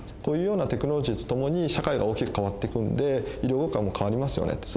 こういうようなテクノロジーとともに社会が大きく変わってくんで医療業界も変わりますよね。